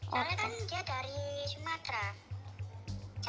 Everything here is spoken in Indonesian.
karena kan dia dari sumatera